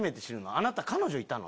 「あなた彼女いたの？」